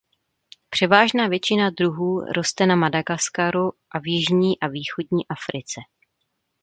Převážná většina druhů roste na Madagaskaru a v jižní a východní Africe.